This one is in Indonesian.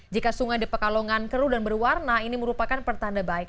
jika sungai di pekalongan keruh dan berwarna ini merupakan pertanda baik